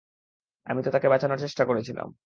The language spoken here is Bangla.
আমি তো তোকে বাঁচানোর চেষ্টা করছিলাম।